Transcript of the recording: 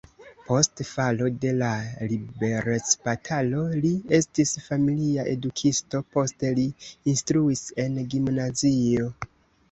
Post falo de la liberecbatalo li estis familia edukisto, poste li instruis en gimnazio.